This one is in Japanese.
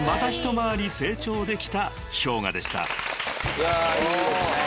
いやいいですねえ。